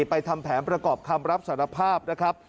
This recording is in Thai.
ทำแผนประกอบคำรับสารภาพนะครับ